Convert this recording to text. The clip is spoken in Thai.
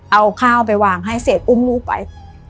เอาข้าวไปวางให้เสร็จอุ้มลูกไป